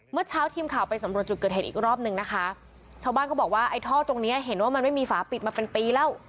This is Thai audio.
เมื่อเช้าทีมข่าวไปสำรวจจุดเกิดเหตุอีกรอบนึงนะคะชาวบ้านเขาบอกว่าไอ้ท่อตรงเนี้ยเห็นว่ามันไม่มีฝาปิดมาเป็นปีแล้ว